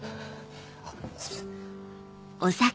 あっすいません。